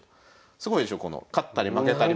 すごいでしょこの勝ったり負けたり。